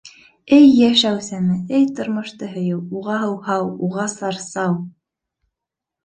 Эй йәшәү сәме, эй тормошто һөйөү, уға һыуһау, уға сарсау!